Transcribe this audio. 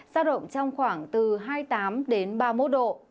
ra động trong khoảng từ hai mươi tám ba mươi một độ